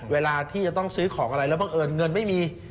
เวลาที่จะต้องซื้อของอะไรแล้วบังเอิญเงินไม่มี